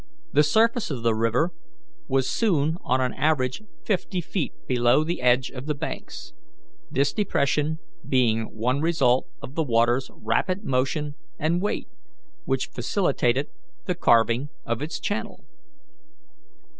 The surface of the river was soon on an average fifty feet below the edge of the banks, this depression being one result of the water's rapid motion and weight, which facilitated the carving of its channel.